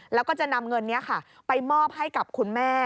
แล้วก็จะนำเงินนี้ค่ะไปมอบให้กับคุณแม่